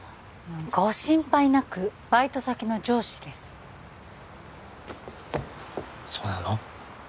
ご心配なくバイト先の上司ですそうなの？